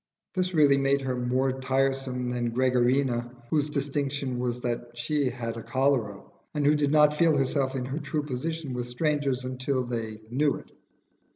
This really made her more tiresome than Gregarina, whose distinction was that she had had cholera, and who did not feel herself in her true position with strangers until they knew it.